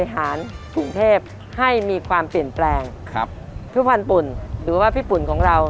กรุงเทพให้มีความเปลี่ยนแปลงครับพี่พันธ์ปุ่นหรือว่าพี่ปุ่นของเรา